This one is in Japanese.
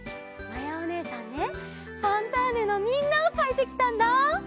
まやおねえさんね「ファンターネ！」のみんなをかいてきたんだ！